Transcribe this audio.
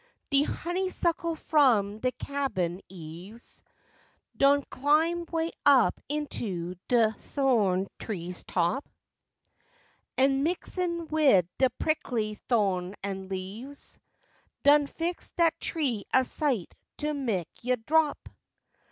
De honeysuckle from de cabin eaves Done climb way up into de tho'n tree's top, An' mixin' wid de prickly tho'ns an' leaves Done fix dat tree a sight to mek yo' drop!